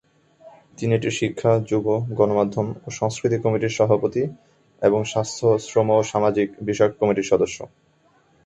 তিনি এটির শিক্ষা, যুব, গণমাধ্যম ও সংস্কৃতি কমিটির সভাপতি এবং স্বাস্থ্য, শ্রম ও সামাজিক বিষয়ক কমিটির সদস্য।